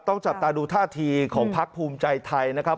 จับตาดูท่าทีของพักภูมิใจไทยนะครับ